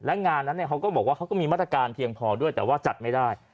และงานนั้นเขาก็บอกว่าเขาก็มีมาตรการเพียงพอด้วยแต่ว่าจัดไม่ได้